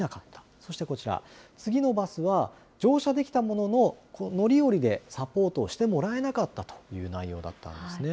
そしてこちら、次のバスは、乗車できたものの、乗り降りでサポートしてもらえなかったという内容だったんですね。